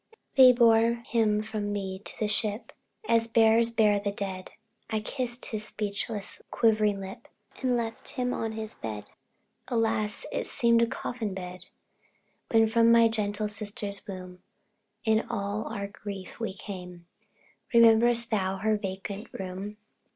They bore him from me to the ship, As bearers bear the dead; I kissed his speechless, quivering lip, And left him on his bed Alas! It seemed a coffin bed! When from my gentle sister's tomb, In all our grief, we came, Rememberest thou her vacant room!